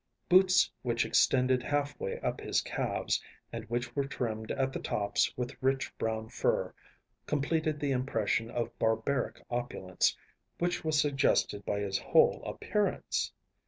Boots which extended halfway up his calves, and which were trimmed at the tops with rich brown fur, completed the impression of barbaric opulence which was suggested by his whole appearance.